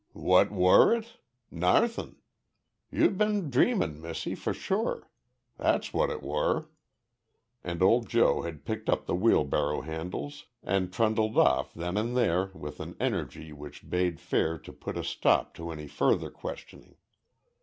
"What war it? Narthen. You'd been dreamin', Missie, for sure. That's what it war." And old Joe had picked up the wheelbarrow handles and trundled off then and there with an energy which bade fair to put a stop to any further questioning.